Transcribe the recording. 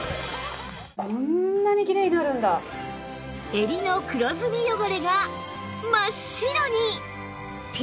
襟の黒ずみ汚れが真っ白に！